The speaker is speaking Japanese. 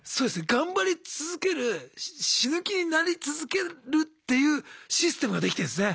頑張り続ける死ぬ気になり続けるっていうシステムができてるんですね。